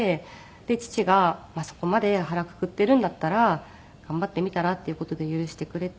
で父が「そこまで腹くくっているんだったら頑張ってみたら」っていう事で許してくれて。